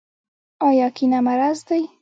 آیا کینه مرض دی؟